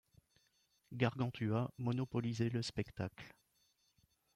Gargantua monopolisait le spectacle.